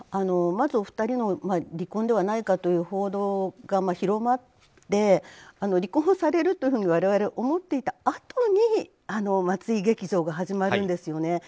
まずお二人の離婚ではないかという報道が広まって離婚をされるというふうに我々は思っていたあとにあの松居劇場が始まるんですよね。